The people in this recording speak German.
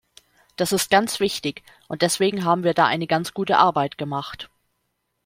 Das ist ganz wichtig und deswegen haben wir da eine ganz gute Arbeit gemacht.